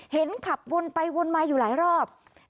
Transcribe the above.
เห็นขับวนไปวนมาอยู่หลายรอบ